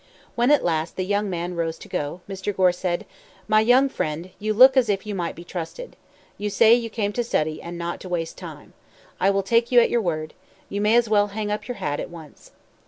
When at last the young man rose to go, Mr. Gore said: "My young friend, you look as if you might be trusted. You say you came to study and not to waste time. I will take you at your word. You may as well hang up your hat at once."